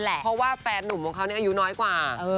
เพราะว่าแฟนนุ่มของเขาอายุน้อยกว่า